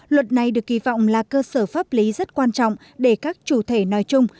luật này được kỳ vọng là cơ sở pháp lý rất quan trọng để các chủ thể nói chung